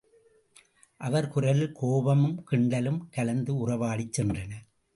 அவர் குரலில் கோபமும் கிண்டலும் கலந்து உறவாடிச் சென்றன.